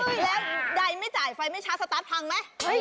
แล้วใดไม่จ่ายไฟไม่ช้าสตาร์ทพังไหม